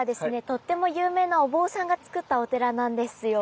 とっても有名なお坊さんが造ったお寺なんですよ。